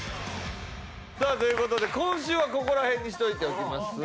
さあという事で今週はここら辺にしといておきます。